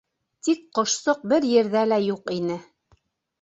Тик ҡошсоҡ бер ерҙә лә юҡ ине.